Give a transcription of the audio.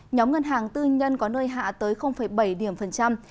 nhóm ngân hàng tư nhân có nơi hạ tới bảy điểm phần trăm